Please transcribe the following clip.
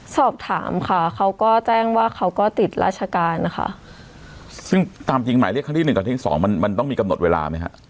สอบถามค่ะเขาก็แจ้งว่าเขาก็ติดราชการนะคะซึ่งตามจริงหมายเรียกครั้งที่หนึ่งกับที่สองมันมันต้องมีกำหนดเวลาไหมฮะ